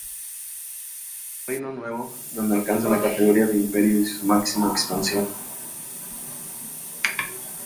Y el Reino Nuevo, donde alcanzan la categoría de imperio y su máxima expansión.